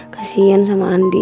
kasian sama andin